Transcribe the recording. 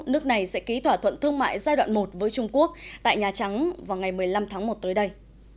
nước này sẽ ký thỏa thuận thương mại giai đoạn một với trung quốc tại nhà trắng vào ngày một mươi năm tháng một tới đây